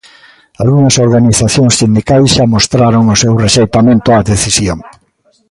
Algunhas organizacións sindicais xa mostraron o seu rexeitamento á decisión.